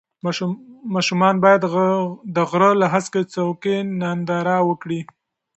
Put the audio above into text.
ماشومان باید د غره له هسکې څوکې ننداره وکړي.